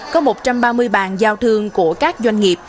có một trăm ba mươi bàn giao thương của các doanh nghiệp